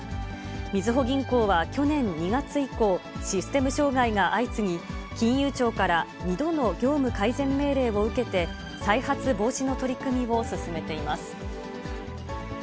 みずほ銀行は去年２月以降、システム障害が相次ぎ、金融庁から２度の業務改善命令を受けて、再発防止の取り組みを進めています。